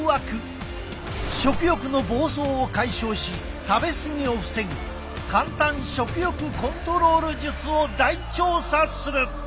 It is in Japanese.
食欲の暴走を解消し食べ過ぎを防ぐ簡単食欲コントロール術を大調査する。